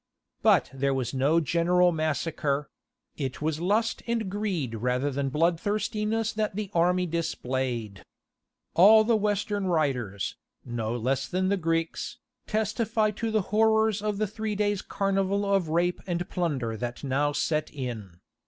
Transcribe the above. But there was no general massacre; it was lust and greed rather than bloodthirstiness that the army displayed. All the Western writers, no less than the Greeks, testify to the horrors of the three days' carnival of rape and plunder that now set in.